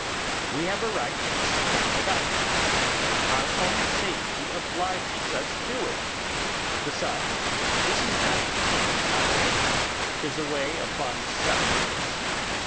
We have a right to stop it up, and our own safety obliges us to it. Besides, this is not the king's highway; 'tis a way upon sufferance.